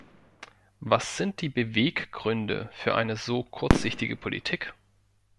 Was sind die Beweggründe für eine so kurzsichtige Politik?